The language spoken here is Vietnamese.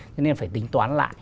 thế nên phải tính toán lại